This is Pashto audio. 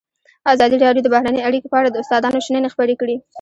ازادي راډیو د بهرنۍ اړیکې په اړه د استادانو شننې خپرې کړي.